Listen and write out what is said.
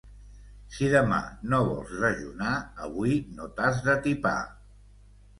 Si demà no vols dejunar, avui no t'has d'atipar.